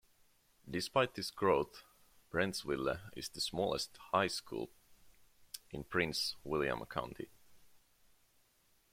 Despite this growth, Brentsville is the smallest high school in Prince William County.